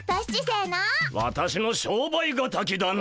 私のしょうばいがたきだな！